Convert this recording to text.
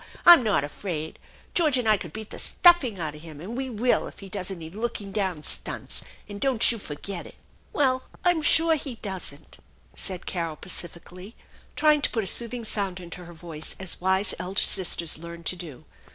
I'm not afraid. George and I could beat the stuffing out of him, and we will if be does any looking down stunts, and don't you forget it !"" Well, I'm sure he doesn't," said Carol pacifically, trying to put a soothing sound into her voice as wise elder sisters learn to do.